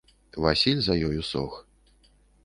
Васіль за ёю сох.